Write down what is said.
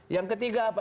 yang ketiga apa